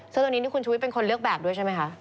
ซึ่งตอนนี้คุณชุวิตเป็นคนเลือกแบบด้วยใช่ไหมคะ